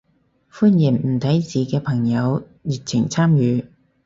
歡迎唔睇字嘅朋友熱情參與